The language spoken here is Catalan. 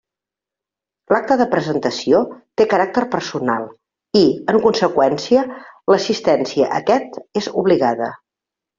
L'acte de presentació té caràcter personal i, en conseqüència, l'assistència a aquest és obligada.